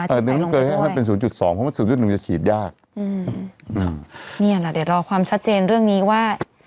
แต่นึงมันเคยให้เป็น๐๒เพราะว่า๐๑จะฉีดยากเออนี่แหละเดี๋ยวรอความชัดเจนเรื่องนี้ว่า